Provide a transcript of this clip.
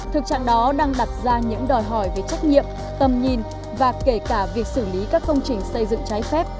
thực trạng đó đang đặt ra những đòi hỏi về trách nhiệm tầm nhìn và kể cả việc xử lý các công trình xây dựng trái phép